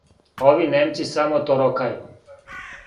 Ови Немци само торокају.